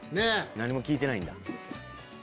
何も聞いてないんだ。